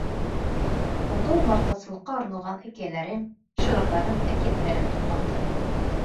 Унда умартасылыҡҡа арналған хикәйәләрем, шиғырҙарым, әкиәттәрем тупланды.